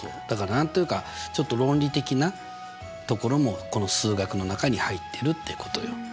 だから何と言うかちょっと論理的なところもこの数学の中に入ってるってことよ。